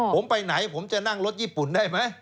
ผมไปไหนผมจะนั่งรถญี่ปุ่นได้ไหม